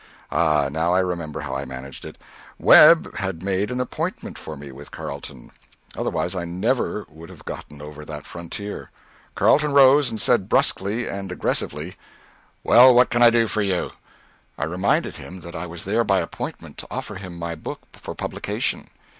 Ah, now I remember how I managed it! Webb had made an appointment for me with Carleton; otherwise I never should have gotten over that frontier. Carleton rose and said brusquely and aggressively, "Well, what can I do for you?" I reminded him that I was there by appointment to offer him my book for publication.